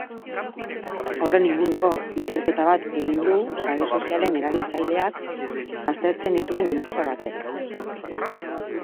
Horren inguruko ikerketa bat egin du sare sozialen erabiltzaileak aztertzen dituen enpresa batek.